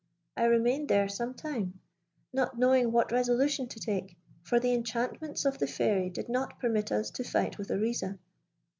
I remained there some time, not knowing what resolution to take; for the enchantments of the Fairy did not permit us to fight with Oriza.